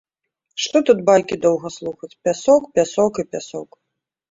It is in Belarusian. Што тут байкі доўга слухаць, пясок, пясок і пясок.